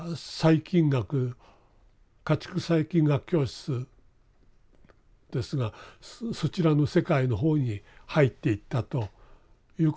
家畜細菌学教室ですがそちらの世界の方に入っていったということで。